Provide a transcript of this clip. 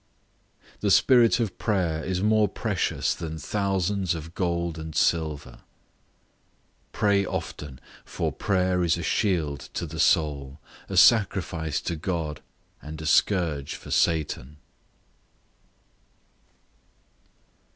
The spirit of prayer is more precious than thousands of gold and silver. Pray often, for prayer is a shield to the soul, a sacrifice to God, and a scourge for Satan.